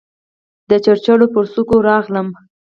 د چړو پر څوکو راغلم